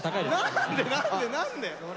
何で何で何で！